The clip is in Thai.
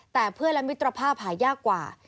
แต่เพื่อนและมิตรภาพหายากกว่า